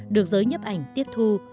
được giới nhếp ảnh tiếp thu